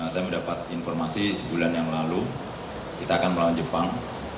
saya mendapat informasi sebulan yang lalu kita akan melawan jepang